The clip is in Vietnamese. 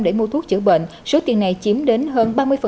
để mua thuốc chữa bệnh số tiền này chiếm đến hơn ba mươi